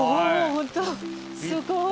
本当すごい！